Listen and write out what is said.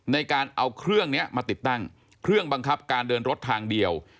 ในการเอาเครื่องนี้มาติดตั้งเครื่องบังคับการเดินรถทางเดียว